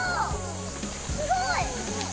すごい！